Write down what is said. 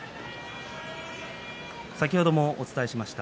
先ほどもお伝えしました。